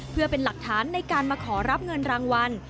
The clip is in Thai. เพื่อเป็นหลักฐานในการมาขอรับเงินรางวัล